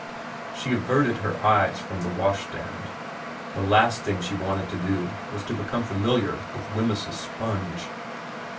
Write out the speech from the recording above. She averted her eyes from the washstand. The last thing she wanted to do was to become familiar with Wemyss's sponge.